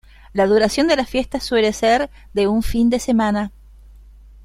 La duración de la fiesta suele ser de un fin de semana.